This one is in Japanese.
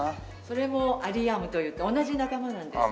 それもアリウムといって同じ仲間なんです。